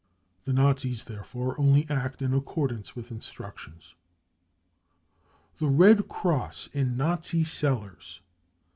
59 The Nazis therefore only act in accordance with instructions. f '* T11 ~~ The " Red Cross 55 in Nazi Cellars.